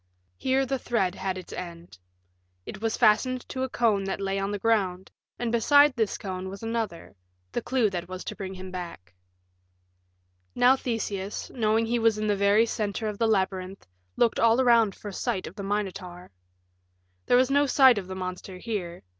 Here the thread had its end. It was fastened to a cone that lay on the ground, and beside this cone was another the clue that was to bring him back. Now Theseus, knowing he was in the very center of the labyrinth, looked all around for sight of the Minotaur. There was no sight of the monster here.